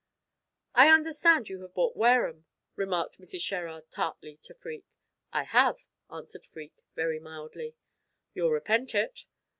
"I understand you have bought Wareham," remarked Mrs. Sherrard, tartly, to Freke. "I have," answered Freke, very mildly. "You'll repent it."